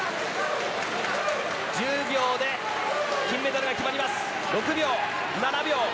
１０秒で金メダルが決まります。